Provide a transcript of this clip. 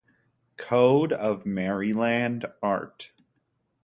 Code of Maryland, Art.